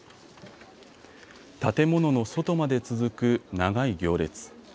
建物の外まで続く長い行列。